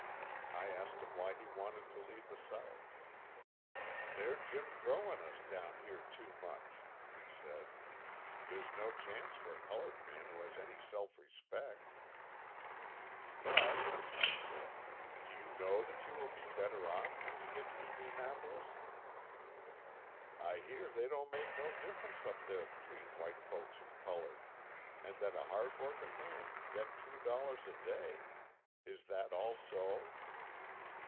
I asked him why he wanted to leave the South. "They're Jim Crowin' us down here too much," he said; "there's no chance for a coloured man who has any self respect." "But," I said, "do you know that you will be better off when you get to Indianapolis?" "I hear they don't make no difference up there between white folks and coloured, and that a hard working man can get two dollars a day. Is that all so?"